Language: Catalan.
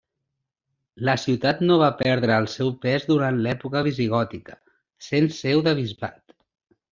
La ciutat no va perdre el seu pes durant l'època visigòtica, sent seu de bisbat.